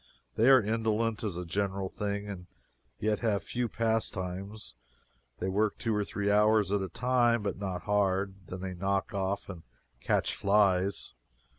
They are indolent, as a general thing, and yet have few pastimes. They work two or three hours at a time, but not hard, and then they knock off and catch flies.